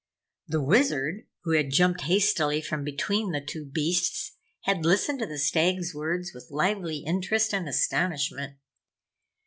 The Wizard, who had jumped hastily from between the two beasts, had listened to the stag's words with lively interest and astonishment.